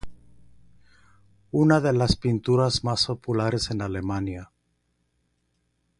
Es una de las pinturas más populares en Alemania.